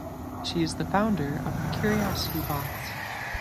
She is the founder of The Curiosity Box.